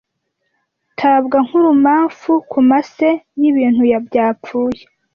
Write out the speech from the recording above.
Tabwa nk'urumamfu ku mase y'ibintu byapfuye.